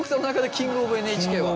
キング・オブ・ＮＨＫ。